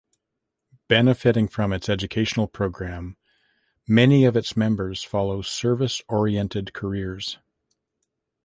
Benefiting from its educational programme, many of its members follow service-oriented careers.